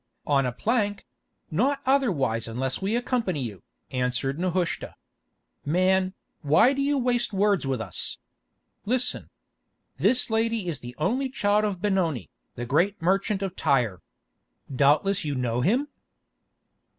"On a plank; not otherwise unless we accompany you," answered Nehushta. "Man, why do you waste words with us. Listen. This lady is the only child of Benoni, the great merchant of Tyre. Doubtless you know him?"